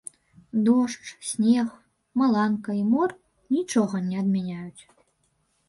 Дождж, снег, маланка і мор нічога не адмяняюць!